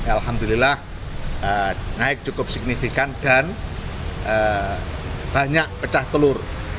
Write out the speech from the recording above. alhamdulillah naik cukup signifikan dan banyak pecah telur